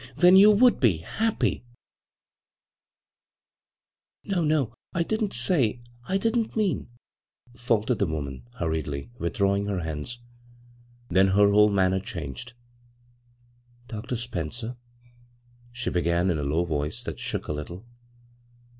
" Then you would be happy f "" No, no, I didn't say — I didn't mean "— faltered the woman, hurriedly, withdrawing her hands ; then her whole manner changed. " Dr. Spencer," she began in a low voice that shook a little.